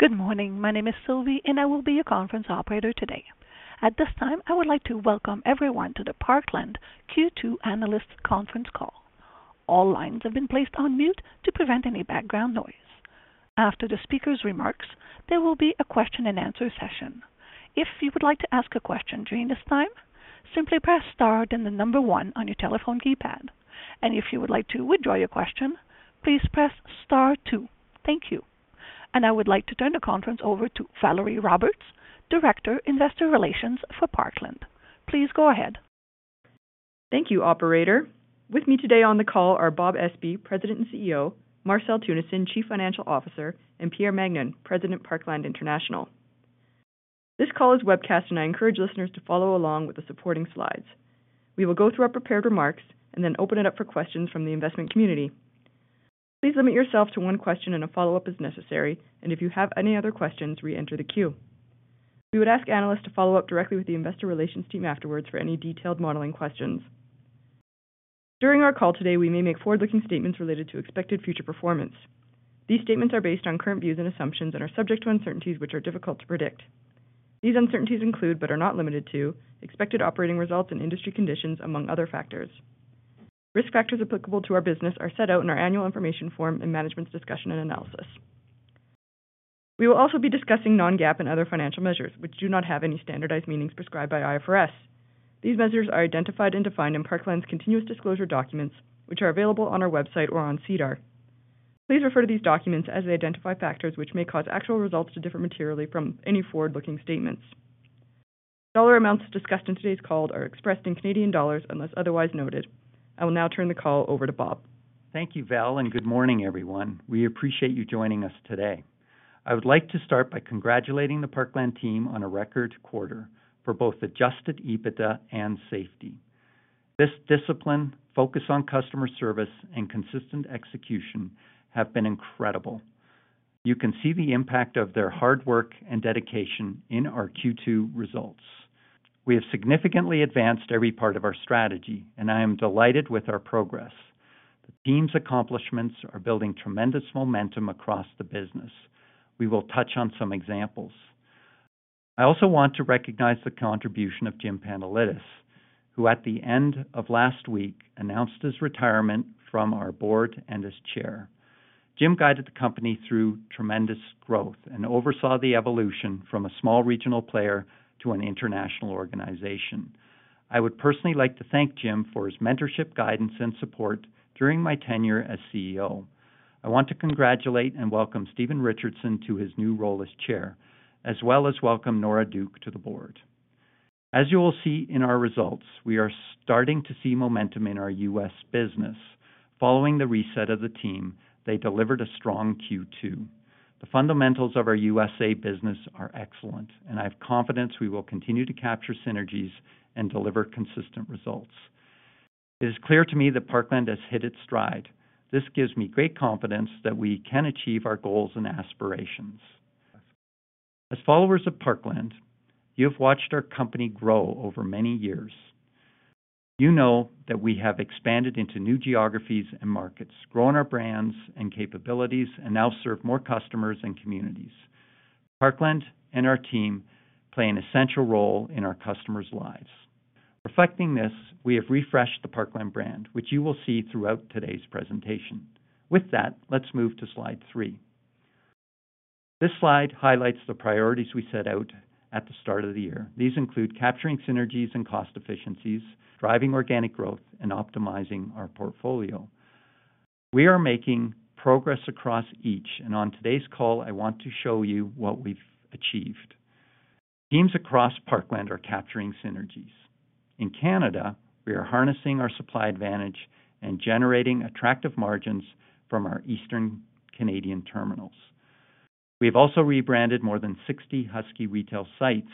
Good morning. My name is Sylvie. I will be your conference operator today. At this time, I would like to welcome everyone to the Parkland Q2 Analyst Conference Call. All lines have been placed on mute to prevent any background noise. After the speaker's remarks, there will be a question-and-answer session. If you would like to ask a question during this time, simply press Star, then the number one on your telephone keypad. If you would like to withdraw your question, please press Star two. Thank you. I would like to turn the conference over to Valerie Roberts, Director, Investor Relations for Parkland. Please go ahead. Thank you, operator. With me today on the call are Bob Espey, President and CEO, Marcel Teunissen, Chief Financial Officer, and Pierre Magnan, President, Parkland International. This call is webcast, and I encourage listeners to follow along with the supporting slides. We will go through our prepared remarks and then open it up for questions from the investment community. Please limit yourself to one question and a follow-up as necessary, and if you have any other questions, reenter the queue. We would ask analysts to follow up directly with the investor relations team afterwards for any detailed modeling questions. During our call today, we may make forward-looking statements related to expected future performance. These statements are based on current views and assumptions and are subject to uncertainties which are difficult to predict. These uncertainties include, but are not limited to, expected operating results and industry conditions, among other factors. Risk factors applicable to our business are set out in our annual information form and management's discussion and analysis. We will also be discussing non-GAAP and other financial measures which do not have any standardized meanings prescribed by IFRS. These measures are identified and defined in Parkland's continuous disclosure documents, which are available on our website or on SEDAR. Please refer to these documents as they identify factors which may cause actual results to differ materially from any forward-looking statements. Dollar amounts discussed in today's call are expressed in Canadian dollars unless otherwise noted. I will now turn the call over to Bob. Thank you, Val, and good morning, everyone. We appreciate you joining us today. I would like to start by congratulating the Parkland team on a record quarter for both Adjusted EBITDA and safety. This discipline, focus on customer service, and consistent execution have been incredible. You can see the impact of their hard work and dedication in our Q2 results. We have significantly advanced every part of our strategy, and I am delighted with our progress. The team's accomplishments are building tremendous momentum across the business. We will touch on some examples. I also want to recognize the contribution of Jim Pantelidis, who at the end of last week announced his retirement from our board and as chair. Jim guided the company through tremendous growth and oversaw the evolution from a small regional player to an international organization. I would personally like to thank Jim for his mentorship, guidance, and support during my tenure as CEO. I want to congratulate and welcome Steven Richardson to his new role as Chair, as well as welcome Nora Duke to the board. As you will see in our results, we are starting to see momentum in our U.S. business. Following the reset of the team, they delivered a strong Q2. The fundamentals of our USA business are excellent, I have confidence we will continue to capture synergies and deliver consistent results. It is clear to me that Parkland has hit its stride. This gives me great confidence that we can achieve our goals and aspirations. As followers of Parkland, you have watched our company grow over many years. You know that we have expanded into new geographies and markets, grown our brands and capabilities, and now serve more customers and communities. Parkland and our team play an essential role in our customers' lives. Reflecting this, we have refreshed the Parkland brand, which you will see throughout today's presentation. Let's move to slide 3. This slide highlights the priorities we set out at the start of the year. These include capturing synergies and cost efficiencies, driving organic growth, and optimizing our portfolio. We are making progress across each. On today's call, I want to show you what we've achieved. Teams across Parkland are capturing synergies. In Canada, we are harnessing our supply advantage and generating attractive margins from our Eastern Canadian terminals. We have also rebranded more than 60 Husky retail sites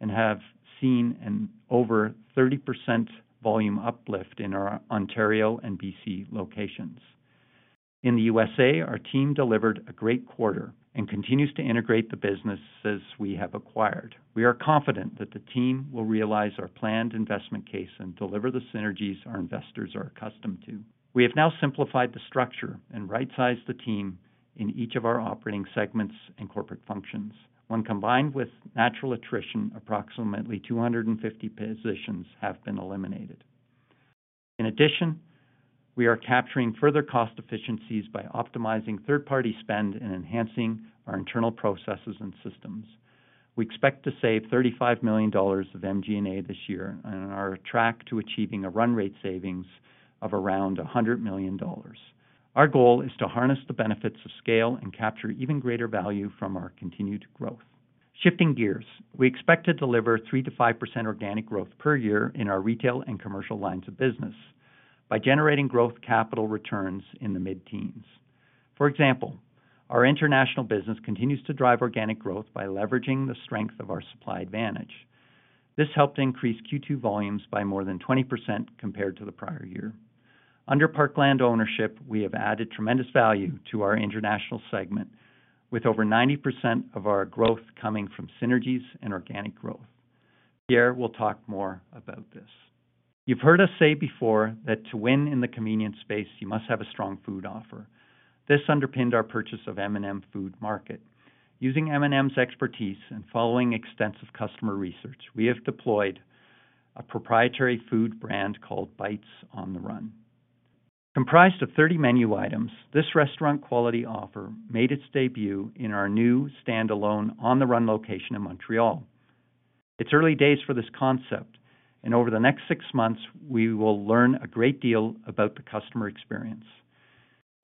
and have seen an over 30% volume uplift in our Ontario and BC locations. In the USA, our team delivered a great quarter and continues to integrate the businesses we have acquired. We are confident that the team will realize our planned investment case and deliver the synergies our investors are accustomed to. We have now simplified the structure and right-sized the team in each of our operating segments and corporate functions. When combined with natural attrition, approximately 250 positions have been eliminated. In addition, we are capturing further cost efficiencies by optimizing third-party spend and enhancing our internal processes and systems. We expect to save $35 million of MG&A this year and are tracked to achieving a run rate savings of around $100 million. Our goal is to harness the benefits of scale and capture even greater value from our continued growth. Shifting gears, we expect to deliver 3%-5% organic growth per year in our retail and commercial lines of business by generating growth capital returns in the mid-teens. For example, our international business continues to drive organic growth by leveraging the strength of our supply advantage. This helped increase Q2 volumes by more than 20% compared to the prior year. Under Parkland ownership, we have added tremendous value to our international segment, with over 90% of our growth coming from synergies and organic growth. Pierre will talk more about this. You've heard us say before that to win in the convenience space, you must have a strong food offer. This underpinned our purchase of M&M Food Market. Using M&M's expertise and following extensive customer research, we have deployed a proprietary food brand called Bites On the Run. Comprised of 30 menu items, this restaurant quality offer made its debut in our new standalone On the Run location in Montreal. It's early days for this concept, over the next six months, we will learn a great deal about the customer experience.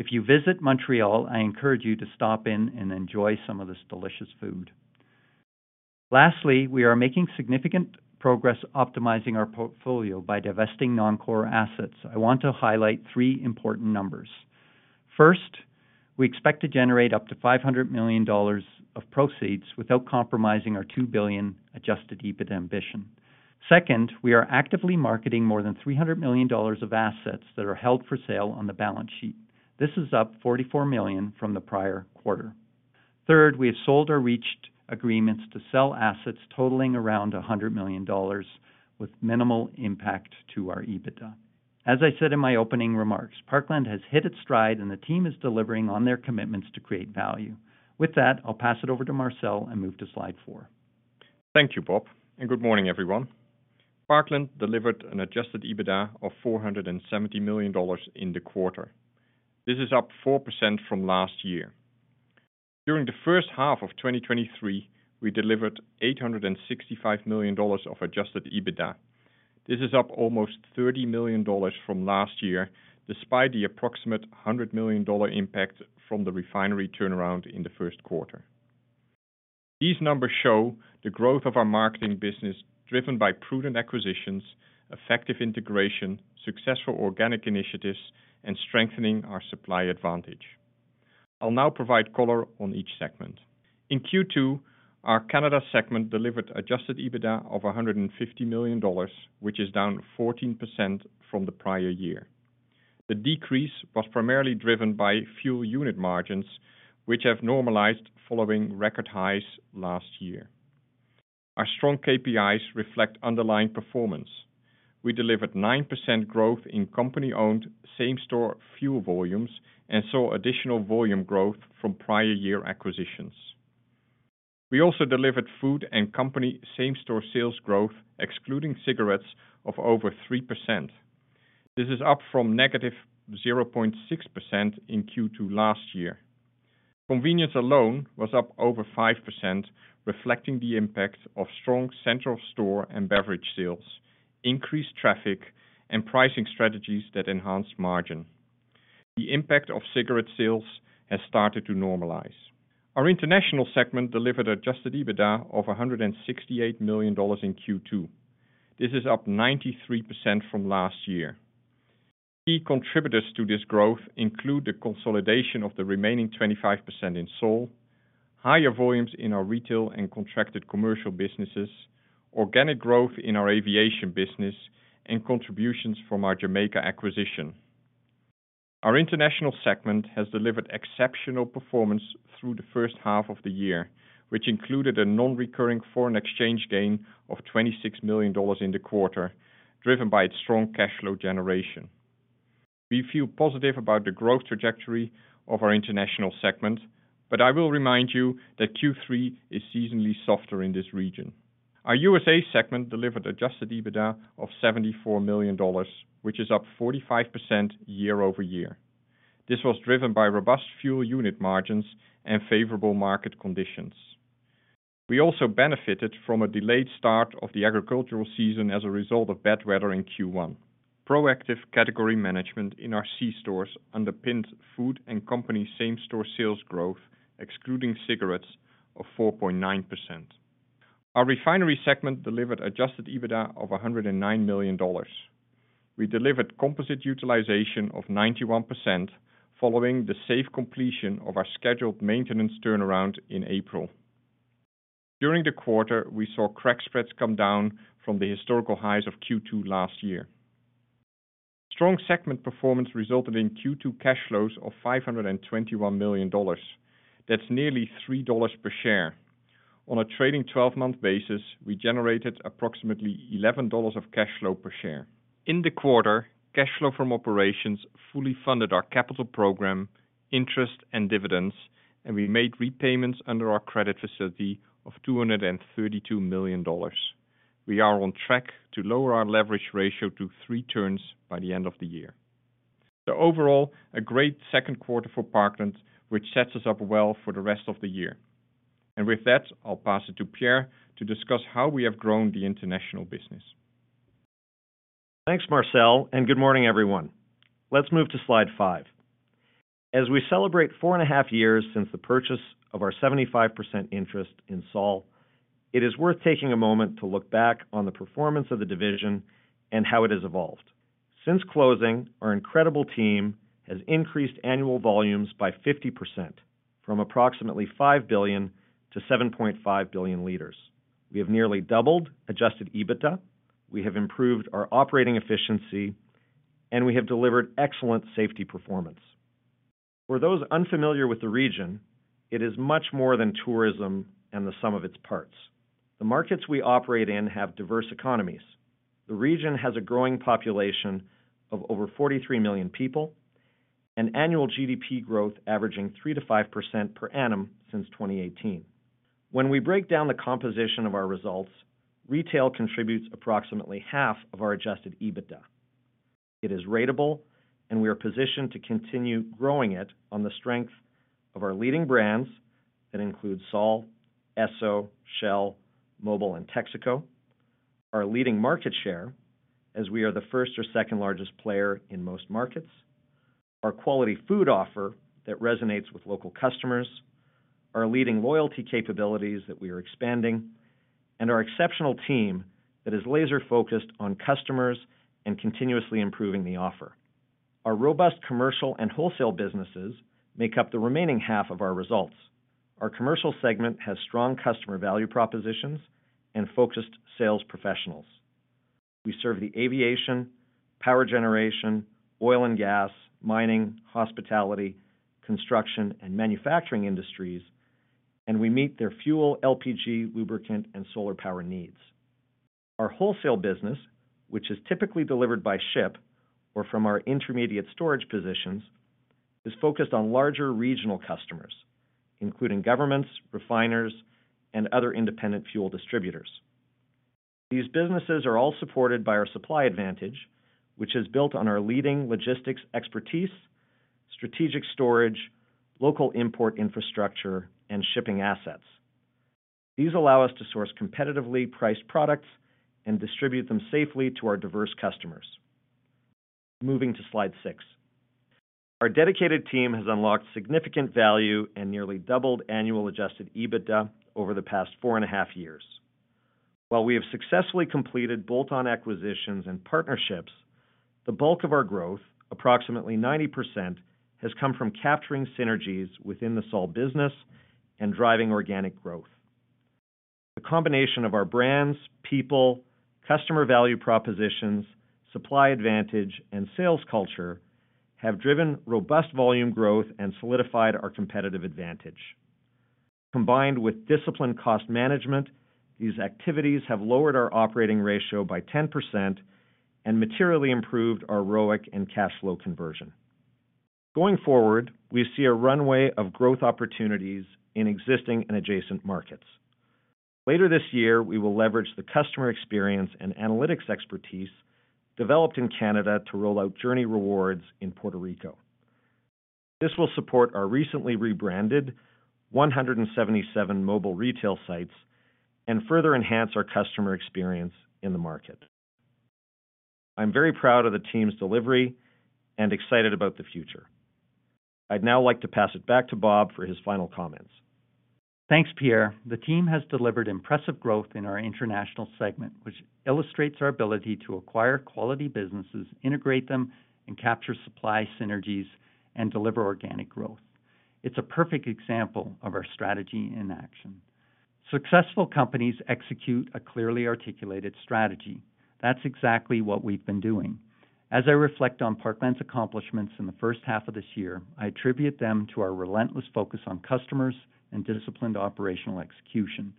If you visit Montreal, I encourage you to stop in and enjoy some of this delicious food. Lastly, we are making significant progress optimizing our portfolio by divesting non-core assets. I want to highlight three important numbers: First, we expect to generate up to $500 million of proceeds without compromising our $2 billion Adjusted EBITDA ambition. Second, we are actively marketing more than $300 million of assets that are held for sale on the balance sheet. This is up 44 million from the prior quarter. Third, we have sold or reached agreements to sell assets totaling around 100 million dollars with minimal impact to our EBITDA. As I said in my opening remarks, Parkland has hit its stride, and the team is delivering on their commitments to create value. With that, I'll pass it over to Marcel and move to slide 4. Thank you, Bob. Good morning, everyone. Parkland delivered an Adjusted EBITDA of 470 million dollars in the quarter. This is up 4% from last year. During the first half of 2023, we delivered 865 million dollars of Adjusted EBITDA. This is up almost 30 million dollars from last year, despite the approximate 100 million dollar impact from the refinery turnaround in the first quarter. These numbers show the growth of our marketing business, driven by prudent acquisitions, effective integration, successful organic initiatives, and strengthening our supply advantage. I'll now provide color on each segment. In Q2, our Canada segment delivered Adjusted EBITDA of 150 million dollars, which is down 14% from the prior year. The decrease was primarily driven by fuel unit margins, which have normalized following record highs last year. Our strong KPIs reflect underlying performance. We delivered 9% growth in company-owned same-store fuel volumes and saw additional volume growth from prior year acquisitions. We also delivered food and company same-store sales growth, excluding cigarettes, of over 3%. This is up from negative 0.6% in Q2 last year. Convenience alone was up over 5%, reflecting the impact of strong central store and beverage sales, increased traffic, and pricing strategies that enhanced margin. The impact of cigarette sales has started to normalize. Our international segment delivered Adjusted EBITDA of $168 million in Q2. This is up 93% from last year. Key contributors to this growth include the consolidation of the remaining 25% in Sol, higher volumes in our retail and contracted commercial businesses, organic growth in our aviation business, and contributions from our Jamaica acquisition. Our international segment has delivered exceptional performance through the first half of the year, which included a non-recurring foreign exchange gain of 26 million dollars in the quarter, driven by its strong cash flow generation. We feel positive about the growth trajectory of our international segment, I will remind you that Q3 is seasonally softer in this region. Our USA segment delivered Adjusted EBITDA of 74 million dollars, which is up 45% year-over-year. This was driven by robust fuel unit margins and favorable market conditions. We also benefited from a delayed start of the agricultural season as a result of bad weather in Q1. Proactive category management in our C stores underpinned food and company same-store sales growth, excluding cigarettes of 4.9%. Our refinery segment delivered Adjusted EBITDA of 109 million dollars. We delivered composite utilization of 91% following the safe completion of our scheduled maintenance turnaround in April. During the quarter, we saw crack spreads come down from the historical highs of Q2 last year. Strong segment performance resulted in Q2 cash flows of $521 million. That's nearly $3 per share. On a trailing-12-month basis, we generated approximately $11 of cash flow per share. In the quarter, cash flow from operations fully funded our capital program, interest, and dividends, and we made repayments under our credit facility of $232 million. We are on track to lower our leverage ratio to 3 turns by the end of the year. Overall, a great second quarter for Parkland, which sets us up well for the rest of the year. With that, I'll pass it to Pierre to discuss how we have grown the international business. Thanks, Marcel, and good morning, everyone. Let's move to slide five. As we celebrate 4.5 years since the purchase of our 75% interest in SOL, it is worth taking a moment to look back on the performance of the division and how it has evolved. Since closing, our incredible team has increased annual volumes by 50%, from approximately 5 billion to 7.5 billion liters. We have nearly doubled Adjusted EBITDA, we have improved our operating efficiency, and we have delivered excellent safety performance. For those unfamiliar with the region, it is much more than tourism and the sum of its parts. The markets we operate in have diverse economies. The region has a growing population of over 43 million people, and annual GDP growth averaging 3%-5% per annum since 2018. When we break down the composition of our results, retail contributes approximately half of our Adjusted EBITDA. It is ratable, and we are positioned to continue growing it on the strength of our leading brands, that include SOL, Esso, Shell, Mobil, and Texaco. Our leading market share, as we are the first or second-largest player in most markets, our quality food offer that resonates with local customers, our leading loyalty capabilities that we are expanding, and our exceptional team that is laser-focused on customers and continuously improving the offer. Our robust commercial and wholesale businesses make up the remaining half of our results. Our commercial segment has strong customer value propositions and focused sales professionals. We serve the aviation, power generation, oil and gas, mining, hospitality, construction, and manufacturing industries, and we meet their fuel, LPG, lubricant, and solar power needs. Our wholesale business, which is typically delivered by ship or from our intermediate storage positions, is focused on larger regional customers, including governments, refiners, and other independent fuel distributors. These businesses are all supported by our supply advantage, which is built on our leading logistics expertise, strategic storage, local import infrastructure, and shipping assets. These allow us to source competitively priced products and distribute them safely to our diverse customers. Moving to slide 6. Our dedicated team has unlocked significant value and nearly doubled annual Adjusted EBITDA over the past four and a half years. While we have successfully completed bolt-on acquisitions and partnerships, the bulk of our growth, approximately 90%, has come from capturing synergies within the Sol business and driving organic growth. The combination of our brands, people, customer value propositions, supply advantage, and sales culture have driven robust volume growth and solidified our competitive advantage. Combined with disciplined cost management, these activities have lowered our operating ratio by 10% and materially improved our ROIC and cash flow conversion. Going forward, we see a runway of growth opportunities in existing and adjacent markets. Later this year, we will leverage the customer experience and analytics expertise developed in Canada to roll out JOURNIE Rewards in Puerto Rico. This will support our recently rebranded 177 Mobil retail sites and further enhance our customer experience in the market. I'm very proud of the team's delivery and excited about the future. I'd now like to pass it back to Bob for his final comments. Thanks, Pierre. The team has delivered impressive growth in our international segment, which illustrates our ability to acquire quality businesses, integrate them, and capture supply synergies and deliver organic growth. It's a perfect example of our strategy in action. Successful companies execute a clearly articulated strategy. That's exactly what we've been doing. As I reflect on Parkland's accomplishments in the first half of this year, I attribute them to our relentless focus on customers and disciplined operational execution.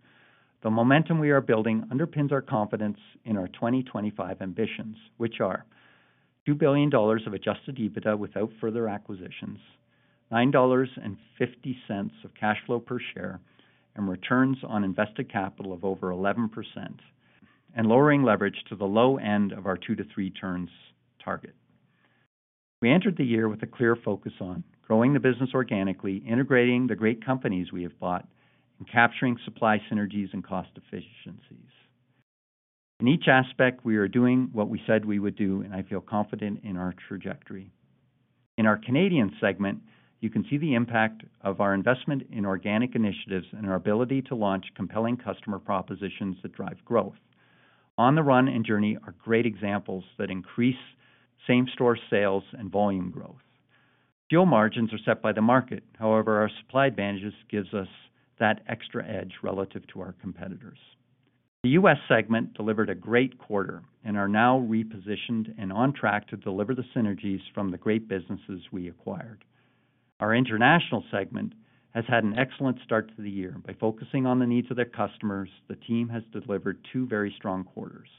The momentum we are building underpins our confidence in our 2025 ambitions, which are $2 billion of Adjusted EBITDA without further acquisitions, $9.50 of cash flow per share, and returns on invested capital of over 11%, and lowering leverage to the low end of our 2-3 turns target. We entered the year with a clear focus on growing the business organically, integrating the great companies we have bought, and capturing supply synergies and cost efficiencies. In each aspect, we are doing what we said we would do, and I feel confident in our trajectory. In our Canadian segment, you can see the impact of our investment in organic initiatives and our ability to launch compelling customer propositions that drive growth. On the Run and JOURNIE are great examples that increase same-store sales and volume growth. Fuel margins are set by the market. However, our supply advantages gives us that extra edge relative to our competitors. The U.S. segment delivered a great quarter and are now repositioned and on track to deliver the synergies from the great businesses we acquired. Our international segment has had an excellent start to the year. By focusing on the needs of their customers, the team has delivered two very strong quarters.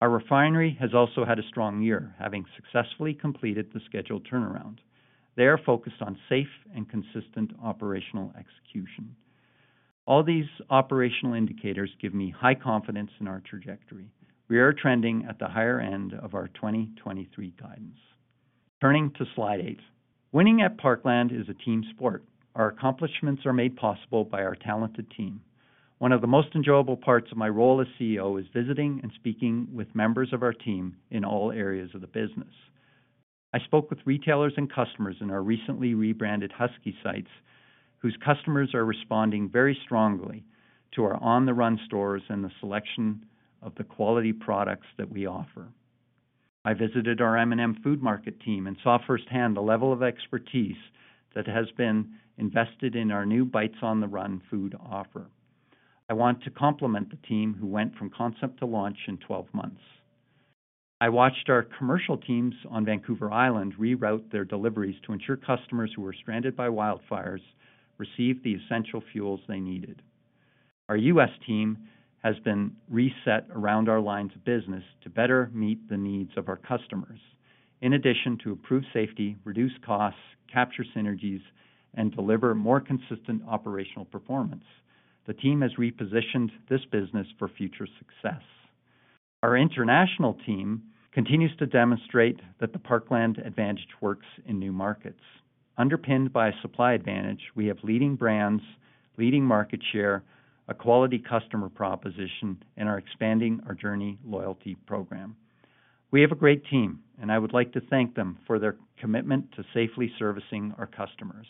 Our refinery has also had a strong year, having successfully completed the scheduled turnaround. They are focused on safe and consistent operational execution. All these operational indicators give me high confidence in our trajectory. We are trending at the higher end of our 2023 guidance. Turning to slide 8. Winning at Parkland is a team sport. Our accomplishments are made possible by our talented team. One of the most enjoyable parts of my role as CEO is visiting and speaking with members of our team in all areas of the business. I spoke with retailers and customers in our recently rebranded Husky sites, whose customers are responding very strongly to our On the Run stores and the selection of the quality products that we offer. I visited our M&M Food Market team and saw firsthand the level of expertise that has been invested in our new Bites On the Run food offer. I want to compliment the team who went from concept to launch in 12 months. I watched our commercial teams on Vancouver Island reroute their deliveries to ensure customers who were stranded by wildfires received the essential fuels they needed. Our U.S. team has been reset around our lines of business to better meet the needs of our customers. In addition to improved safety, reduced costs, capture synergies, and deliver more consistent operational performance, the team has repositioned this business for future success. Our international team continues to demonstrate that the Parkland advantage works in new markets. Underpinned by a supply advantage, we have leading brands, leading market share, a quality customer proposition, and are expanding our JOURNIE loyalty program. We have a great team, and I would like to thank them for their commitment to safely servicing our customers.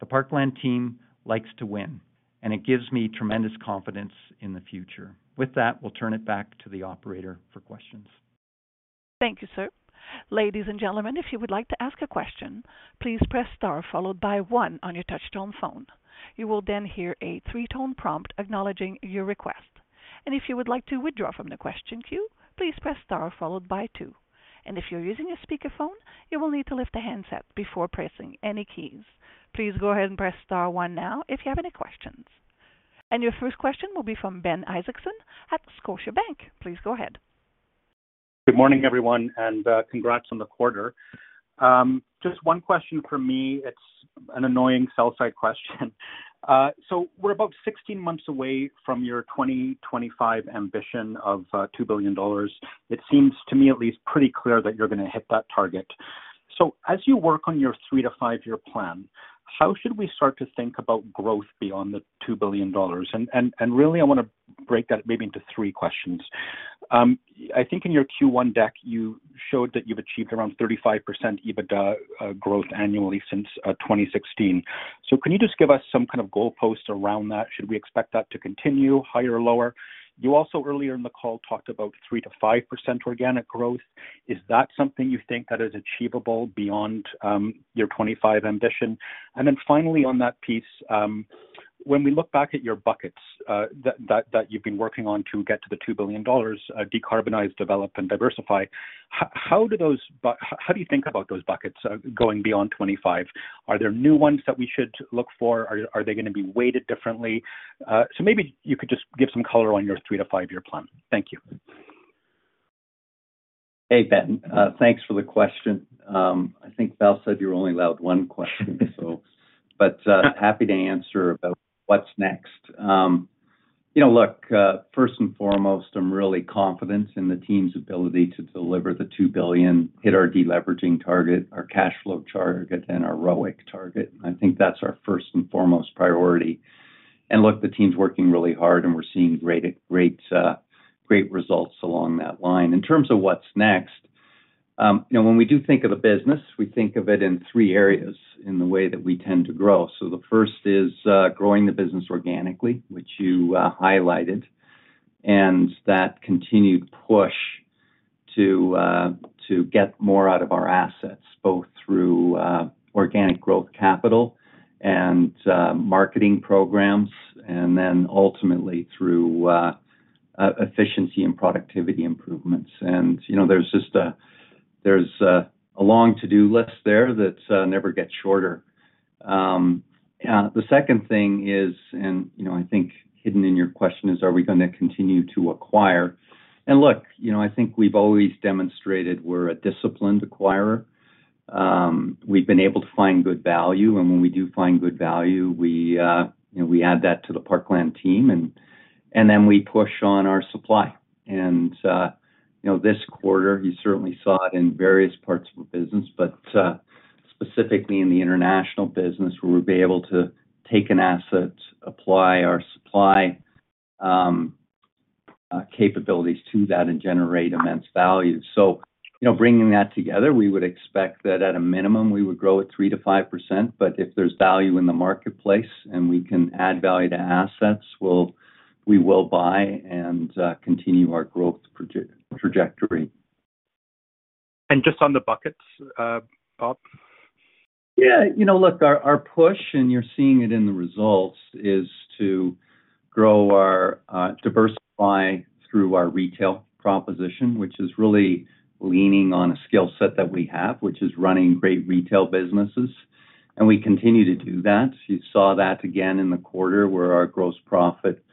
The Parkland team likes to win, and it gives me tremendous confidence in the future. With that, we'll turn it back to the operator for questions. Thank you, sir. Ladies and gentlemen, if you would like to ask a question, please press star followed by one on your touchtone phone. You will then hear a three-tone prompt acknowledging your request, and if you would like to withdraw from the question queue, please press star followed by two. If you're using a speakerphone, you will need to lift the handset before pressing any keys. Please go ahead and press star one now if you have any questions. Your first question will be from Ben Isaacson at Scotiabank. Please go ahead. Good morning, everyone, congrats on the quarter. Just 1 question for me. It's an annoying sell side question. We're about 16 months away from your 2025 ambition of $2 billion. It seems, to me, at least, pretty clear that you're gonna hit that target. As you work on your 3-5-year plan, how should we start to think about growth beyond the $2 billion? Really, I wanna break that maybe into 3 questions. I think in your Q1 deck, you showed that you've achieved around 35% EBITDA growth annually since 2016. Can you just give us some kind of goalpost around that? Should we expect that to continue, higher or lower? You also, earlier in the call, talked about 3%-5% organic growth. Is that something you think that is achievable beyond your 2025 ambition? Finally, on that piece, when we look back at your buckets that you've been working on to get to the 2 billion dollars, decarbonize, develop, and diversify, How do you think about those buckets going beyond 2025? Are there new ones that we should look for? Are, are they gonna be weighted differently? Maybe you could just give some color on your 3-5-year plan. Thank you. Hey, Ben. Thanks for the question. I think Val said you're only allowed one question, so... Happy to answer about what's next. You know, look, first and foremost, I'm really confident in the team's ability to deliver the 2 billion, hit our deleveraging target, our cash flow target, and our ROIC target. I think that's our first and foremost priority. Look, the team's working really hard, and we're seeing great, great, great results along that line. In terms of what's next, you know, when we do think of the business, we think of it in three areas in the way that we tend to grow. The first is, growing the business organically, which you highlighted, and that continued push to get more out of our assets, both through organic growth capital and marketing programs, and then ultimately through e-efficiency and productivity improvements. You know, there's just there's a long to-do list there that never gets shorter. The second thing is, you know, I think hidden in your question is, are we gonna continue to acquire? Look, you know, I think we've always demonstrated we're a disciplined acquirer. We've been able to find good value, and when we do find good value, we, you know, we add that to the Parkland team, and then we push on our supply. You know, this quarter, you certainly saw it in various parts of the business, but specifically in the international business, where we've been able to take an asset, apply our supply capabilities to that, and generate immense value. You know, bringing that together, we would expect that at a minimum, we would grow at 3%-5%, but if there's value in the marketplace, and we can add value to assets, we'll, we will buy and continue our growth traj-trajectory. Just on the buckets, Bob? Yeah, you know, look, our, our push, and you're seeing it in the results, is to grow our, diversify through our retail proposition, which is really leaning on a skill set that we have, which is running great retail businesses, and we continue to do that. You saw that again in the quarter, where our gross profit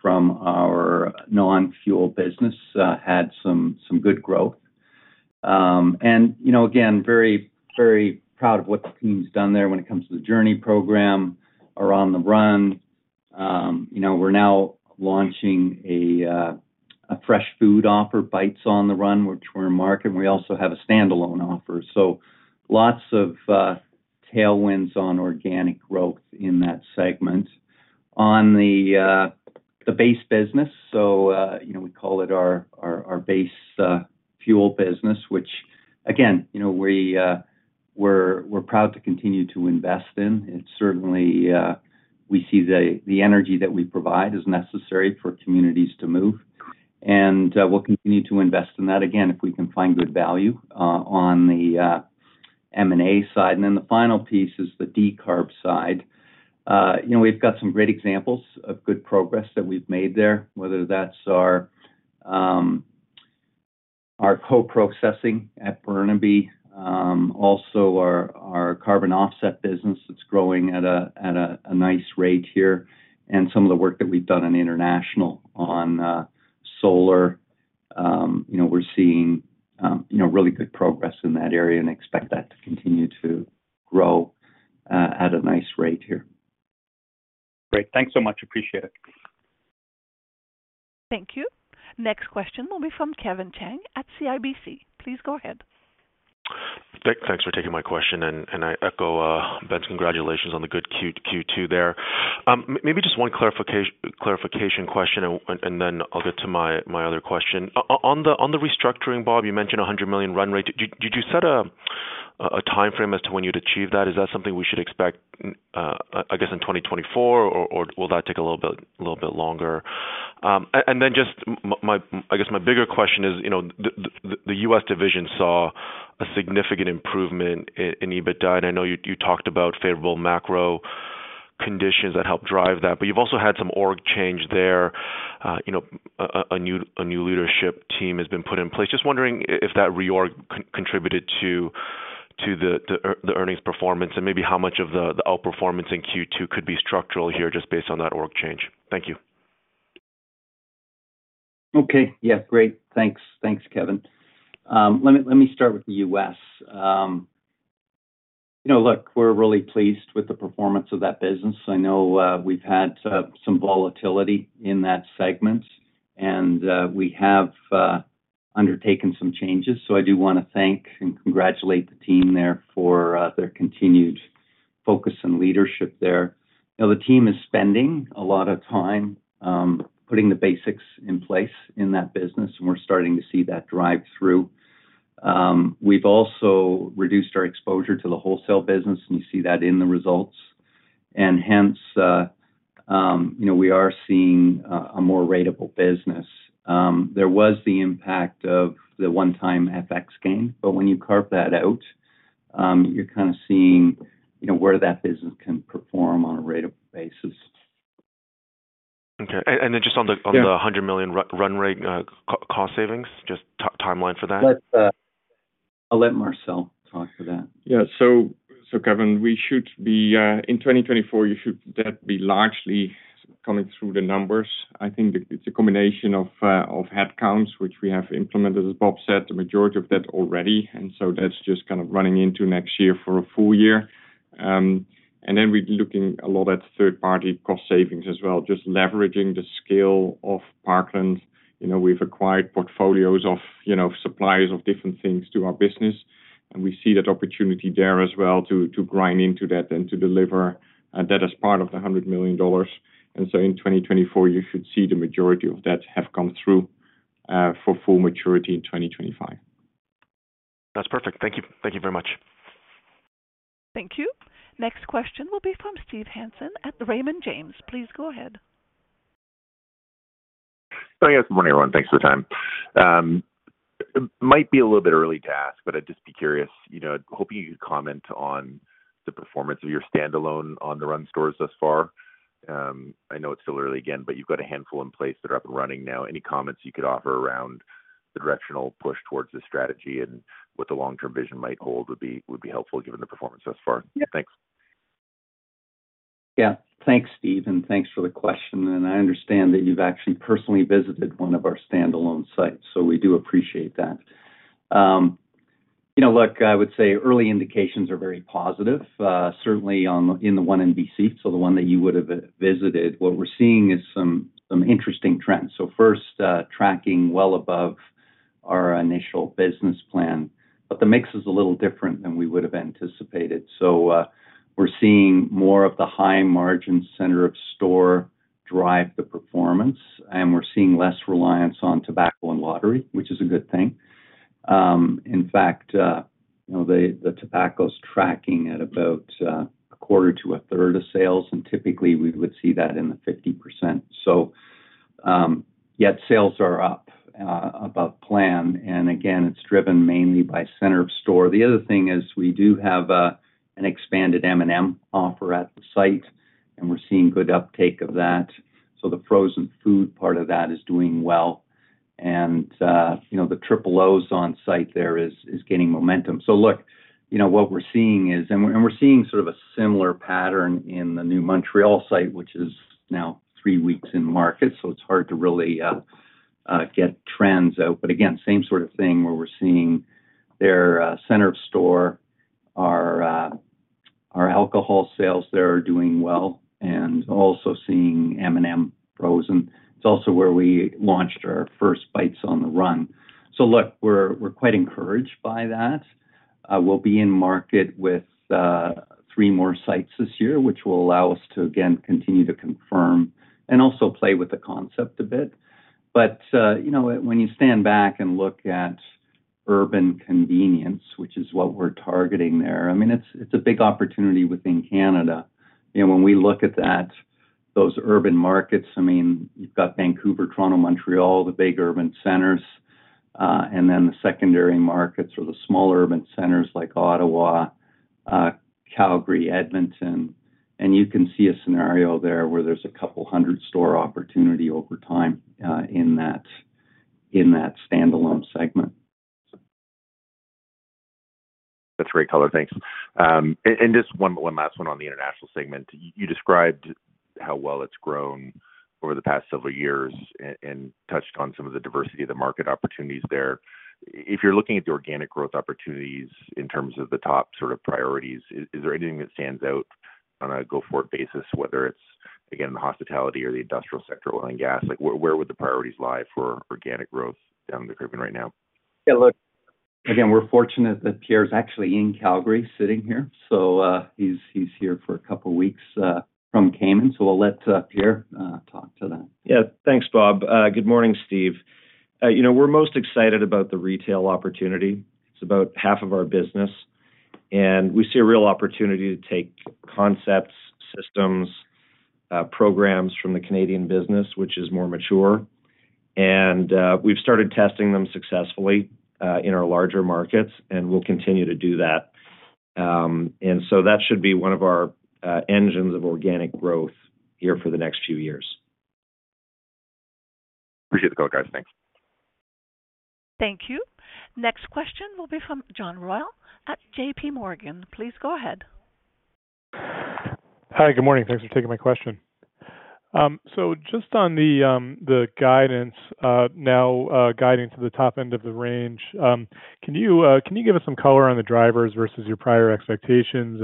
from our non-fuel business, had some, some good growth. You know, again, very, very proud of what the team's done there when it comes to the JOURNIE program or On the Run. You know, we're now launching a, a fresh food offer, Bites On the Run, which we're in market, and we also have a standalone offer. Lots of tailwinds on organic growth in that segment. On the base business, you know, we call it our, our, our base fuel business, which again, you know, we're, we're proud to continue to invest in. It's certainly, we see the energy that we provide is necessary for communities to move, and we'll continue to invest in that again if we can find good value on the M&A side. Then the final piece is the decarb side. You know, we've got some great examples of good progress that we've made there, whether that's our co-processing at Burnaby, also our carbon offset business, that's growing at a, at a, a nice rate here, and some of the work that we've done on international on solar. You know, we're seeing, you know, really good progress in that area and expect that to continue to grow, at a nice rate here. Great. Thanks so much. Appreciate it. Thank you. Next question will be from Kevin Chiang at CIBC. Please go ahead. Thanks for taking my question, and I echo Ben's congratulations on the good Q2 there. Maybe just one clarification question, then I'll get to my other question. On the restructuring, Bob, you mentioned a 100 million run rate. Did you set a timeframe as to when you'd achieve that? Is that something we should expect, I guess, in 2024, or will that take a little bit longer? Then just my, I guess my bigger question is, you know, the US division saw a significant improvement in EBITDA, and I know you talked about favorable macro conditions that helped drive that, but you've also had some org change there. You know, a new leadership team has been put in place. Just wondering if that reorg contributed to the earnings performance, and maybe how much of the outperformance in Q2 could be structural here, just based on that org change? Thank you. Okay. Yeah, great. Thanks. Thanks, Kevin. Let me, let me start with the U.S. You know, look, we're really pleased with the performance of that business. I know, we've had some volatility in that segment, and we have undertaken some changes. I do wanna thank and congratulate the team there for their continued focus and leadership there. Now, the team is spending a lot of time putting the basics in place in that business, and we're starting to see that drive through. We've also reduced our exposure to the wholesale business, and you see that in the results. Hence, you know, we are seeing a more ratable business. There was the impact of the one-time FX gain, when you carve that out, you're kind of seeing, you know, where that business can perform on a ratable basis. Okay. Just on the- Yeah. on the $100 million run rate, cost savings, just timeline for that? I'll let Marcel talk to that. Yeah, Kevin, we should be in 2024, that be largely coming through the numbers. I think it's a combination of headcounts, which we have implemented, as Bob said, the majority of that already, that's just kind of running into next year for a full year. Then we're looking a lot at third-party cost savings as well, just leveraging the scale of Parkland. You know, we've acquired portfolios of, you know, suppliers of different things to our business, we see that opportunity there as well, to, to grind into that and to deliver that as part of the $100 million. In 2024, you should see the majority of that have come through for full maturity in 2025. That's perfect. Thank you. Thank you very much. Thank you. Next question will be from Steve Hansen at the Raymond James. Please go ahead. Hi, guys. Good morning, everyone. Thanks for the time. It might be a little bit early to ask, but I'd just be curious, you know, hoping you could comment on the performance of your standalone On the Run stores thus far. I know it's still early again, but you've got a handful in place that are up and running now. Any comments you could offer around the directional push towards the strategy and what the long-term vision might hold would be, would be helpful, given the performance thus far. Yeah. Thanks. Yeah. Thanks, Steve, and thanks for the question. I understand that you've actually personally visited one of our standalone sites, so we do appreciate that. You know, look, I would say early indications are very positive, certainly on... in the 1 BC, so the one that you would have visited. What we're seeing is some, some interesting trends. First, tracking well above our initial business plan, but the mix is a little different than we would have anticipated. We're seeing more of the high-margin center-of-store drive the performance, and we're seeing less reliance on tobacco and lottery, which is a good thing. In fact, you know, the, the tobacco's tracking at about a quarter to a third of sales, and typically we would see that in the 50%. Yet sales are up, above plan, and again, it's driven mainly by center of store. The other thing is we do have an expanded M&M offer at the site, and we're seeing good uptake of that, so the frozen food part of that is doing well. You know, the Triple O's on site there is gaining momentum. Look, you know, what we're seeing is, and we're, and we're seeing sort of a similar pattern in the new Montreal site, which is now 3 weeks in market, so it's hard to really get trends out. Again, same sort of thing where we're seeing their center of store, our alcohol sales there are doing well, and also seeing M&M frozen. It's also where we launched our first Bites On the Run. Look, we're, we're quite encouraged by that. We'll be in market with 3 more sites this year, which will allow us to, again, continue to confirm and also play with the concept a bit. You know, when you stand back and look at urban convenience, which is what we're targeting there, I mean, it's, it's a big opportunity within Canada. You know, when we look at those urban markets, I mean, you've got Vancouver, Toronto, Montreal, the big urban centers, and then the secondary markets or the smaller urban centers like Ottawa, Calgary, Edmonton. You can see a scenario there where there's a couple hundred store opportunity over time in that, in that standalone segment. That's great, color. Thanks. Just one last one on the international segment. You described how well it's grown over the past several years and touched on some of the diversity of the market opportunities there. If you're looking at the organic growth opportunities in terms of the top sort of priorities, is there anything that stands out on a go-forward basis, whether it's, again, the hospitality or the industrial sector, oil and gas? Where would the priorities lie for organic growth down the Caribbean right now? Yeah, look, again, we're fortunate that Pierre is actually in Calgary, sitting here. He's here for a couple of weeks, from Cayman. I'll let Pierre talk to that. Yeah. Thanks, Bob. Good morning, Steve. You know, we're most excited about the retail opportunity. It's about half of our business, and we see a real opportunity to take concepts, systems, programs from the Canadian business, which is more mature. We've started testing them successfully in our larger markets, and we'll continue to do that. That should be one of our engines of organic growth here for the next few years. Appreciate the color, guys. Thanks. Thank you. Next question will be from John Royall at J.P. Morgan. Please go ahead. Hi, good morning. Thanks for taking my question. Just on the guidance now guiding to the top end of the range, can you give us some color on the drivers versus your prior expectations?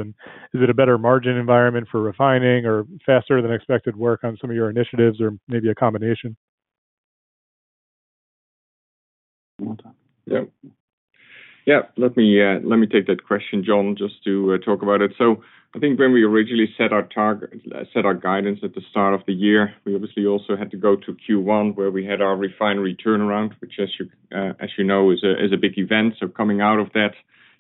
Is it a better margin environment for refining or faster than expected work on some of your initiatives or maybe a combination? You want to- Yeah. Yeah, let me take that question, John, just to talk about it. I think when we originally set our target-- set our guidance at the start of the year, we obviously also had to go to Q1, where we had our refinery turnaround, which, as you know, is a big event. Coming out of that,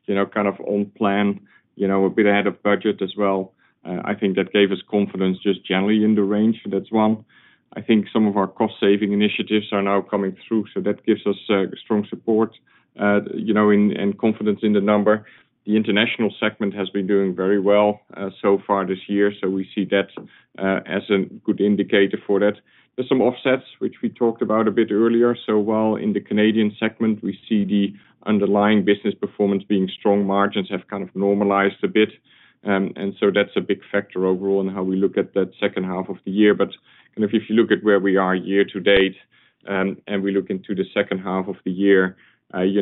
you know, kind of on plan, you know, a bit ahead of budget as well, I think that gave us confidence just generally in the range. That's one. I think some of our cost-saving initiatives are now coming through, that gives us strong support, you know, and confidence in the number. The international segment has been doing very well so far this year, we see that as a good indicator for that. There's some offsets which we talked about a bit earlier. While in the Canadian segment, we see the underlying business performance being strong, margins have kind of normalized a bit. That's a big factor overall in how we look at that second half of the year. If, if you look at where we are year to date, and we look into the second half of the year, you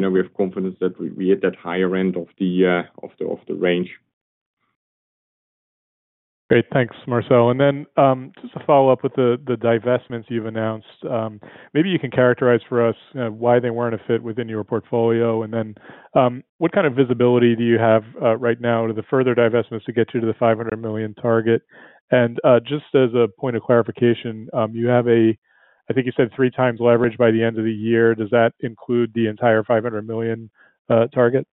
know, we have confidence that we, we hit that higher end of the, of the, of the range. Great. Thanks, Marcel. Just to follow up with the divestments you've announced, maybe you can characterize for us why they weren't a fit within your portfolio. What kind of visibility do you have right now to the further divestments to get you to the $500 million target? Just as a point of clarification, I think you said 3 times leverage by the end of the year. Does that include the entire $500 million target?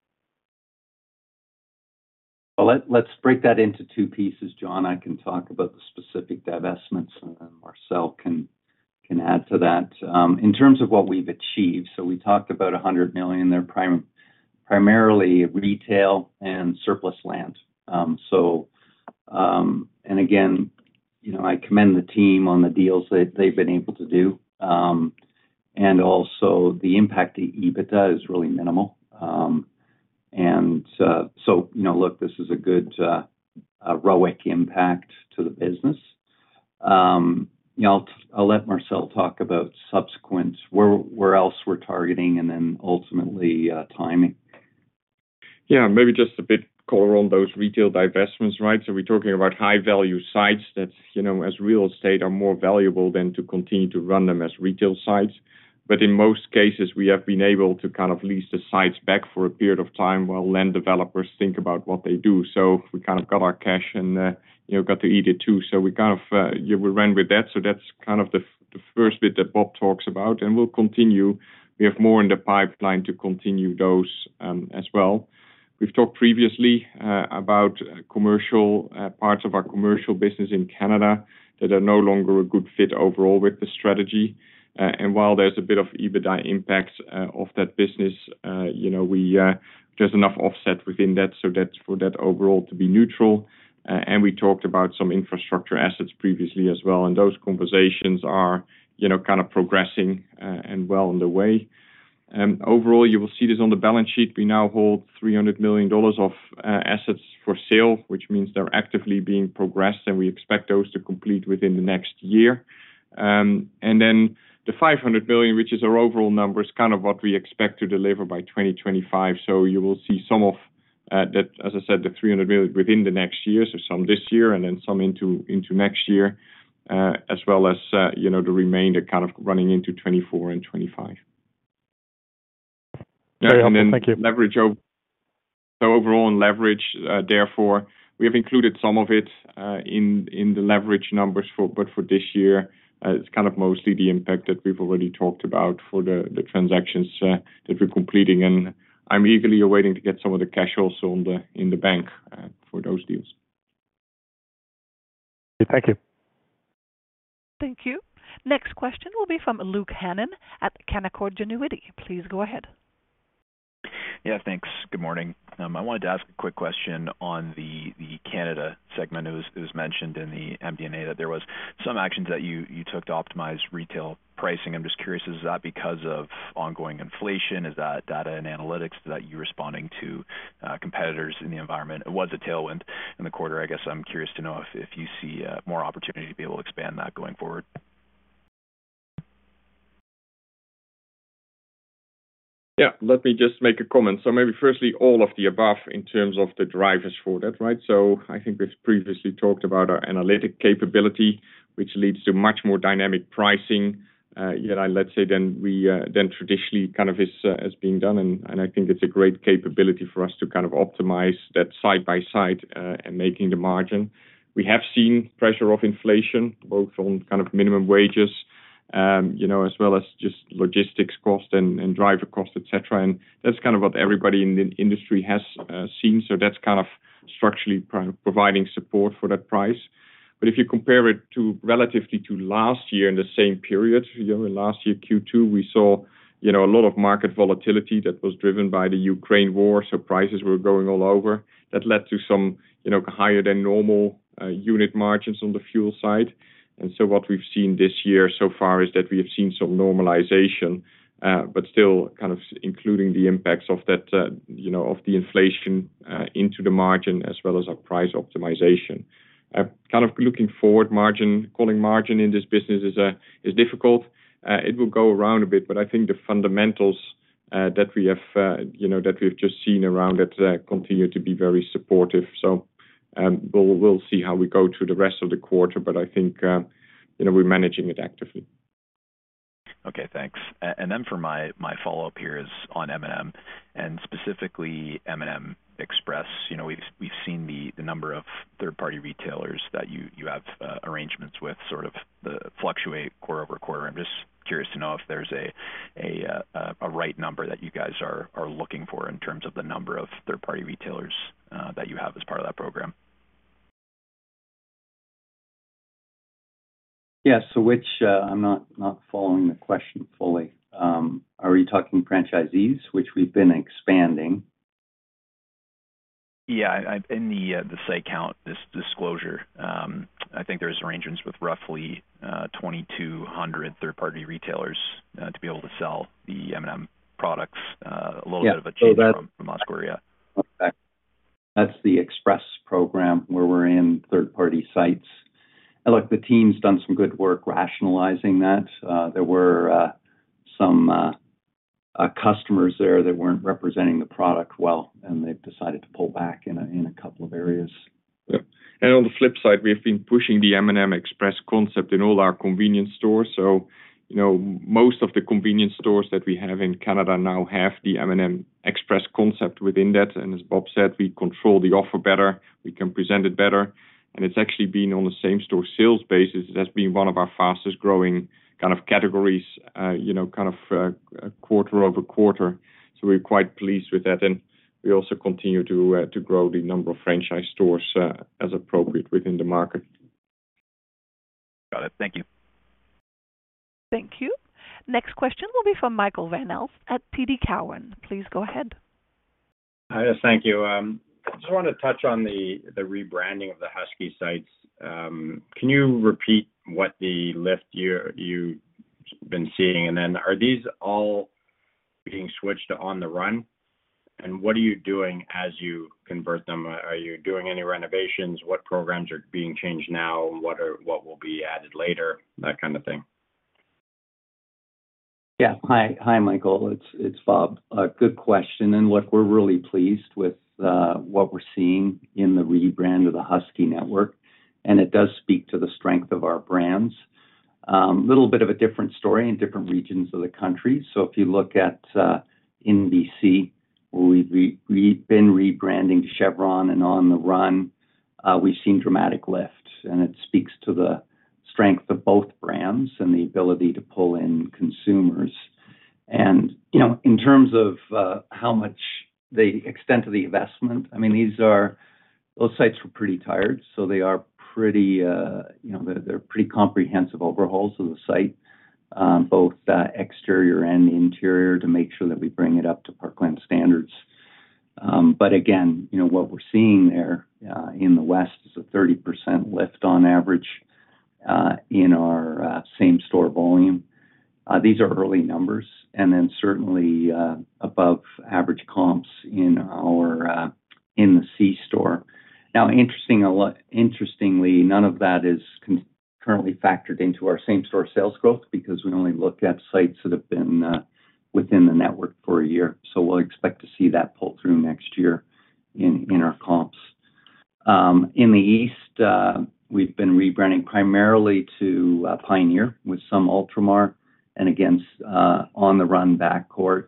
Well, let, let's break that into two pieces, John. I can talk about the specific divestments, and then Marcel can, can add to that. In terms of what we've achieved, so we talked about 100 million. They're primarily retail and surplus land. Again, you know, I commend the team on the deals they, they've been able to do. Also the impact to EBITDA is really minimal. You know, look, this is a good ROIC impact to the business. You know, I'll, I'll let Marcel talk about subsequent, where, where else we're targeting and then ultimately, timing. Yeah, maybe just a bit color on those retail divestments, right? We're talking about high-value sites that, you know, as real estate, are more valuable than to continue to run them as retail sites. In most cases, we have been able to kind of lease the sites back for a period of time while land developers think about what they do. We kind of got our cash and, you know, got to eat it, too. We kind of, yeah, we ran with that. That's kind of the, the first bit that Bob talks about, and we'll continue. We have more in the pipeline to continue those as well. We've talked previously about commercial parts of our commercial business in Canada that are no longer a good fit overall with the strategy. While there's a bit of EBITDA impact of that business, you know, we, there's enough offset within that, so that's for that overall to be neutral. We talked about some infrastructure assets previously as well, and those conversations are, you know, kind of progressing and well on the way. Overall, you will see this on the balance sheet. We now hold $300 million of assets for sale, which means they're actively being progressed, and we expect those to complete within the next year. The $500 billion, which is our overall number, is kind of what we expect to deliver by 2025. You will see some of that, as I said, the $300 billion within the next year. Some this year and then some into, into next year, as well as, you know, the remainder kind of running into 2024 and 2025. Very helpful. Thank you. Overall on leverage, therefore, we have included some of it in the leverage numbers for, for this year, it's kind of mostly the impact that we've already talked about for the transactions that we're completing. I'm eagerly awaiting to get some of the cash also on the in the bank for those deals. Thank you. Thank you. Next question will be from Luke Hannon at Canaccord Genuity. Please go ahead. Yeah, thanks. Good morning. I wanted to ask a quick question on the, the Canada segment. It was, it was mentioned in the MD&A that there was some actions that you, you took to optimize retail pricing. I'm just curious, is that because of ongoing inflation? Is that data and analytics that you're responding to, competitors in the environment? It was a tailwind in the quarter. I guess I'm curious to know if, if you see, more opportunity to be able to expand that going forward. Yeah, let me just make a comment. Maybe firstly, all of the above in terms of the drivers for that, right? I think we've previously talked about our analytic capability, which leads to much more dynamic pricing, yet, let's say, than we than traditionally, kind of, is, has been done. And I think it's a great capability for us to kind of optimize that side by side in making the margin. We have seen pressure of inflation, both on kind of minimum wages, you know, as well as just logistics cost and, and driver cost, et cetera, and that's kind of what everybody in the industry has seen. That's kind of structurally pro- providing support for that price. If you compare it to relatively to last year in the same period, you know, last year, Q2, we saw, you know, a lot of market volatility that was driven by the Ukraine war. Prices were growing all over. That led to some, you know, higher than normal unit margins on the fuel side. What we've seen this year so far is that we have seen some normalization, but still kind of including the impacts of that, you know, of the inflation, into the margin, as well as our price optimization. Kind of looking forward, calling margin in this business is difficult. It will go around a bit, but I think the fundamentals that we have, you know, that we've just seen around it, continue to be very supportive. We'll, we'll see how we go through the rest of the quarter, but I think, you know, we're managing it actively. Okay, thanks. Then for my, my follow-up here is on M&M and specifically M&M Express. You know, we've, we've seen the, the number of third-party retailers that you, you have arrangements with, sort of the fluctuate quarter-over-quarter. I'm just curious to know if there's a, a right number that you guys are, are looking for in terms of the number of third-party retailers that you have as part of that program? Yeah, so which, I'm not, not following the question fully. Are you talking franchisees, which we've been expanding? Yeah, in the site count, this disclosure, I think there's arrangements with roughly 2,200 third-party retailers to be able to sell the M&M products, a little bit of a change from last quarter, yeah. Okay. That's the express program where we're in third-party sites. Look, the team's done some good work rationalizing that. There were some customers there that weren't representing the product well, and they've decided to pull back in a, in a couple of areas. Yeah. On the flip side, we have been pushing the M&M Express concept in all our convenience stores. You know, most of the convenience stores that we have in Canada now have the M&M Express concept within that. As Bob said, we control the offer better, we can present it better, and it's actually been on the same-store sales basis, that's been one of our fastest-growing kind of categories, you know, kind of, quarter over quarter. We're quite pleased with that, and we also continue to, to grow the number of franchise stores, as appropriate within the market. Got it. Thank you. Thank you. Next question will be from Michael van Aelst at TD Cowen. Please go ahead. Hi. Yes, thank you. Just wanted to touch on the rebranding of the Husky sites. Can you repeat what the lift you've been seeing? Are these all being switched to On the Run? What are you doing as you convert them? Are you doing any renovations? What programs are being changed now, and what will be added later? That kind of thing. Yeah. Hi, hi, Michael, it's, it's Bob. A good question. Look, we're really pleased with what we're seeing in the rebrand of the Husky network, and it does speak to the strength of our brands. Little bit of a different story in different regions of the country. If you look at BC, we've re- we've been rebranding Chevron and On the Run, we've seen dramatic lifts, and it speaks to the strength of both brands and the ability to pull in consumers. You know, in terms of how much the extent of the investment, I mean, these are... those sites were pretty tired, so they are pretty, you know, they're pretty comprehensive overhauls of the site, both exterior and interior, to make sure that we bring it up to Parkland standards. Again, you know, what we're seeing there, in the west is a 30% lift on average, in our same-store volume. These are early numbers, and then certainly, above average comps in our C-store. Interestingly, none of that is currently factored into our same-store sales growth, because we only look at sites that have been within the network for a year. We'll expect to see that pull through next year in our comps. In the East, we've been rebranding primarily to Pioneer, with some Ultramar, and against On the Run backcourt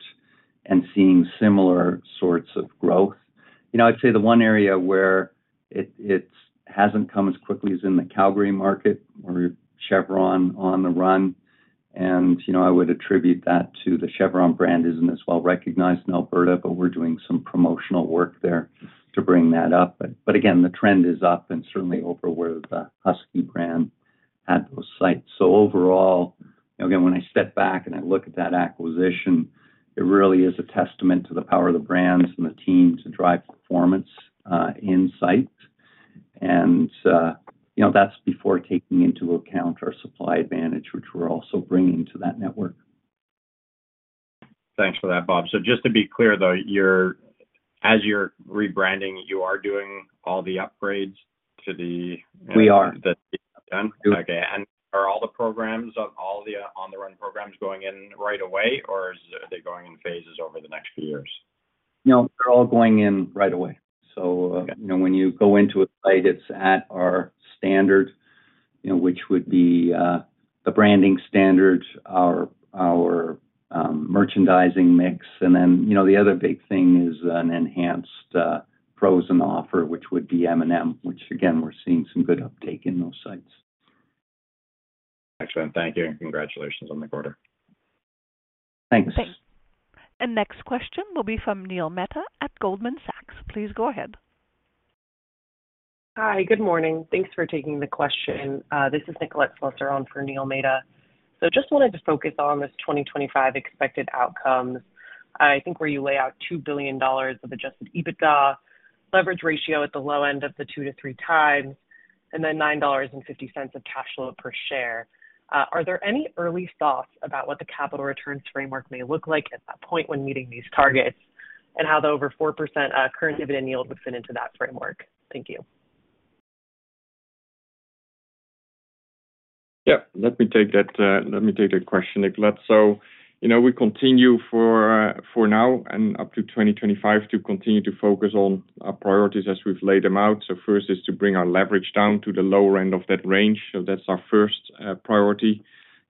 and seeing similar sorts of growth. You know, I'd say the one area where it, it's hasn't come as quickly as in the Calgary market, where Chevron On the Run-... You know, I would attribute that to the Chevron brand isn't as well recognized in Alberta, but we're doing some promotional work there to bring that up. Again, the trend is up and certainly over where the Husky brand at those sites. Overall, again, when I step back and I look at that acquisition, it really is a testament to the power of the brands and the team to drive performance in site. You know, that's before taking into account our supply advantage, which we're also bringing to that network. Thanks for that, Bob. Just to be clear, though, as you're rebranding, you are doing all the upgrades to the- We are. Okay. Are all the programs, all the On the Run programs going in right away, or are they going in phases over the next few years? No, they're all going in right away. Okay. you know, when you go into a site, it's at our standard, you know, which would be, the branding standards, our, our, merchandising mix. Then, you know, the other big thing is an enhanced, frozen offer, which would be M&M, which, again, we're seeing some good uptake in those sites. Excellent. Thank you, congratulations on the quarter. Thanks. Thanks. Next question will be from Neil Mehta at Goldman Sachs. Please go ahead. Hi, good morning. Thanks for taking the question. This is Nicoletta Cefalu on for Neil Mehta. Just wanted to focus on this 2025 expected outcomes, I think, where you lay out 2 billion dollars of Adjusted EBITDA, leverage ratio at the low end of the 2-3 times, and then 9.50 dollars of cash flow per share. Are there any early thoughts about what the capital returns framework may look like at that point when meeting these targets? How the over 4% current dividend yield would fit into that framework? Thank you. Yeah, let me take that, let me take that question, Nicolette. You know, we continue for, for now and up to 2025, to continue to focus on our priorities as we've laid them out. First is to bring our leverage down to the lower end of that range. That's our first priority.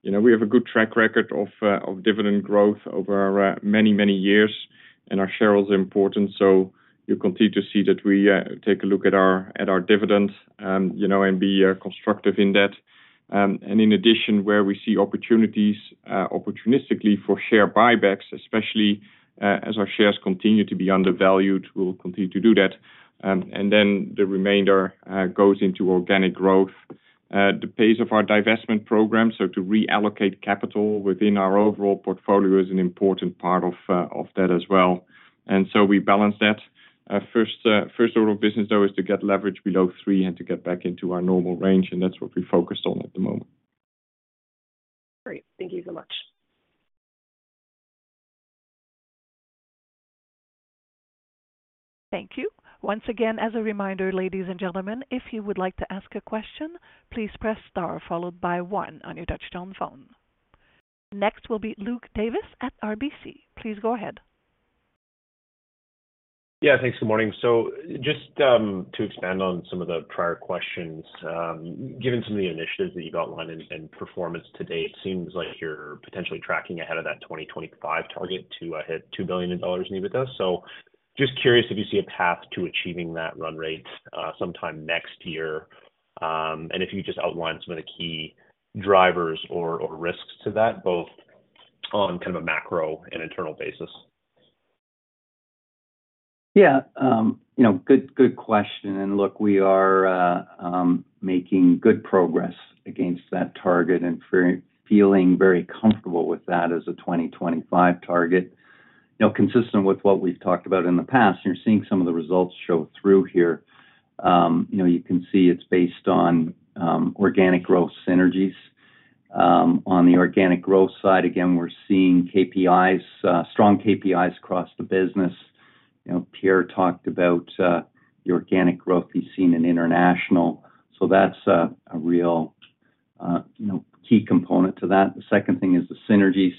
You know, we have a good track record of, of dividend growth over, many, many years, and our sharehold is important. You continue to see that we, take a look at our, at our dividends, you know, and be, constructive in that. And in addition, where we see opportunities, opportunistically for share buybacks, especially, as our shares continue to be undervalued, we'll continue to do that. And then the remainder, goes into organic growth. The pace of our divestment program, so to reallocate capital within our overall portfolio is an important part of that as well. We balance that. First, first order of business, though, is to get leverage below 3 and to get back into our normal range, and that's what we're focused on at the moment. Great. Thank you so much. Thank you. Once again, as a reminder, ladies and gentlemen, if you would like to ask a question, please press star followed by 1 on your touchtone phone. Next will be Luke Davis at RBC. Please go ahead. Yeah, thanks. Good morning. Just to expand on some of the prior questions, given some of the initiatives that you've outlined and, and performance to date, it seems like you're potentially tracking ahead of that 2025 target to hit $2 billion in EBITDA. Just curious if you see a path to achieving that run rate sometime next year, and if you just outline some of the key drivers or, or risks to that, both on kind of a macro and internal basis? Yeah, you know, good, good question. Look, we are making good progress against that target and feeling very comfortable with that as a 2025 target. You know, consistent with what we've talked about in the past, you're seeing some of the results show through here. You know, you can see it's based on organic growth synergies. On the organic growth side, again, we're seeing KPIs, strong KPIs across the business. You know, Pierre talked about the organic growth we've seen in international. That's a, a real, you know, key component to that. The second thing is the synergies,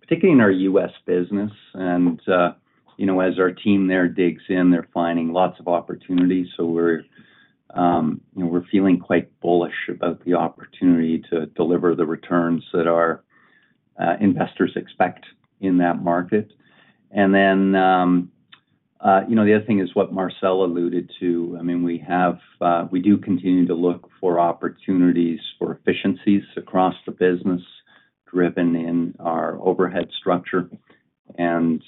particularly in our U.S. business. You know, as our team there digs in, they're finding lots of opportunities. We're, you know, we're feeling quite bullish about the opportunity to deliver the returns that our investors expect in that market. Then, you know, the other thing is what Marcel alluded to. I mean, we have, we do continue to look for opportunities for efficiencies across the business, driven in our overhead structure. And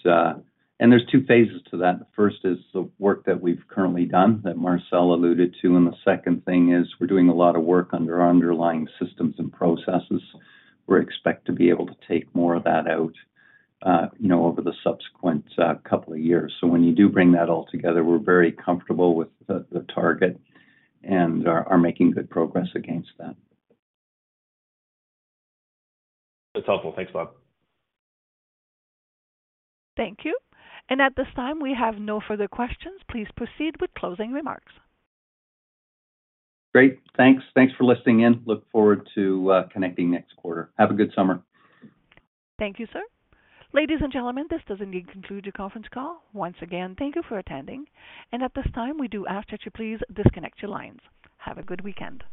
there's two phases to that. The first is the work that we've currently done, that Marcel alluded to, and the second thing is we're doing a lot of work on their underlying systems and processes. We're expect to be able to take more of that out, you know, over the subsequent couple of years. When you do bring that all together, we're very comfortable with the, the target and are, are making good progress against that. That's helpful. Thanks, Bob. Thank you. At this time, we have no further questions. Please proceed with closing remarks. Great. Thanks. Thanks for listening in. Look forward to connecting next quarter. Have a good summer. Thank you, sir. Ladies and gentlemen, this does indeed conclude your conference call. Once again, thank you for attending, and at this time, we do ask that you please disconnect your lines. Have a good weekend.